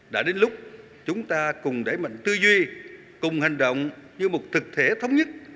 đã đến lúc chúng ta cùng đẩy mạnh tư duy cùng hành động như một thực thể thống nhất